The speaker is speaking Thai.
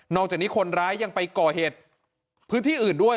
จากนี้คนร้ายยังไปก่อเหตุพื้นที่อื่นด้วย